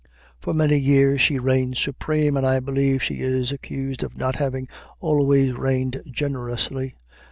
For many years she reigned supreme, and I believe she is accused of not having always reigned generously.